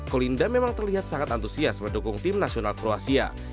colinda memang terlihat sangat antusias mendukung tim nasional kroasia